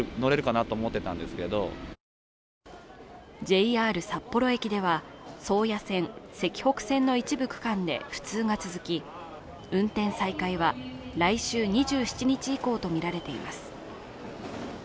ＪＲ札幌駅では、宗谷線、石北線の一部区間で不通が続き、運転再開は来週２７日以降とみられています。